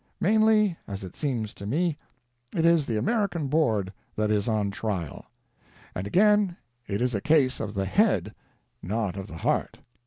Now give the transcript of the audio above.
Mainly, as it seems to me, it is the American Board that is on trial. And TO MY MISSIONARY CRITICS. 533 again, it is a case of the head, not of the heart.